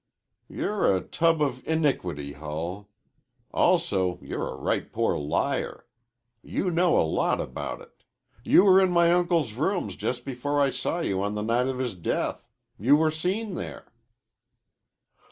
"You're a tub of iniquity, Hull. Also, you're a right poor liar. You know a lot about it. You were in my uncle's rooms just before I saw you on the night of his death. You were seen there."